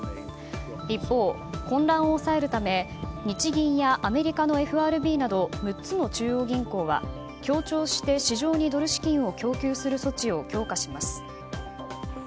一方、混乱を抑えるため日銀やアメリカのＦＲＢなど６つの中央銀行は協調して市場にドル資金を供給する措置を強化します。